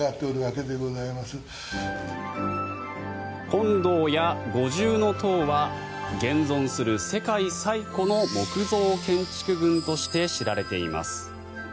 金堂や五重塔は現存する世界最古の木造建築群として知られています。